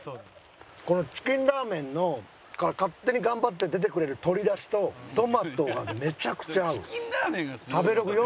このチキンラーメンから勝手に頑張って出てくれる鶏だしとトマトがめちゃくちゃ合う。